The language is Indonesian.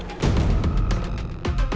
pangeran ikut dinner